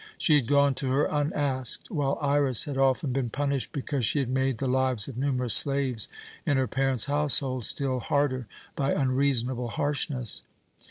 She had gone to her unasked, while Iras had often been punished because she had made the lives of numerous slaves in her parents' household still harder by unreasonable harshness.